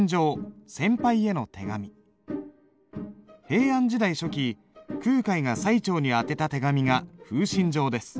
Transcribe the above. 平安時代初期空海が最澄にあてた手紙が「風信帖」です。